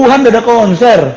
wuhan udah ada konser